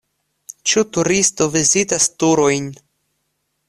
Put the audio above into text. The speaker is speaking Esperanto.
Ĉu turisto vizitas turojn?